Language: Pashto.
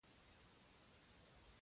پسه ورسره څومره مینه کوله بې حده مینه.